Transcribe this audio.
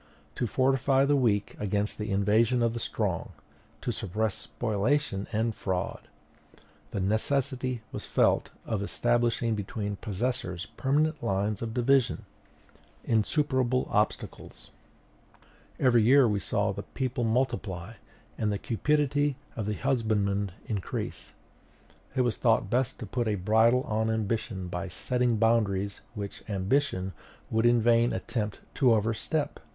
To fortify the weak against the invasion of the strong, to suppress spoliation and fraud, the necessity was felt of establishing between possessors permanent lines of division, insuperable obstacles. Every year saw the people multiply, and the cupidity of the husbandman increase: it was thought best to put a bridle on ambition by setting boundaries which ambition would in vain attempt to overstep.